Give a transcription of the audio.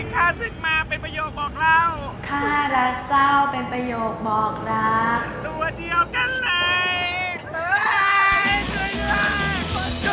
ขาสุภาเป็นประโยคบอกเรารักเจ้าเป็นประโยคบอกรัก